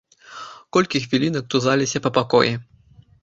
Колькі хвілінак тузаліся па пакоі.